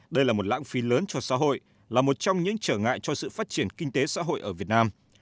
đây là một lãng phí lớn cho xã hội là một trong những trở ngại cho sự phát triển kinh tế xã hội ở việt nam